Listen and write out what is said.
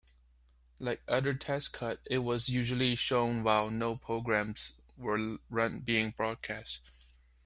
Like other test cards, it was usually shown while no programmes were being broadcast.